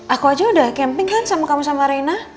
aku aja udah camping kan sama kamu sama reina